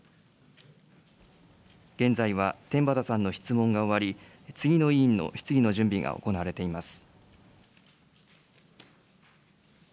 現在は天畠さんの質問が終わり、次の委員の質疑の準備が行われています。